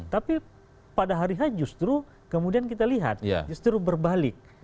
tapi pada hari h justru kemudian kita lihat justru berbalik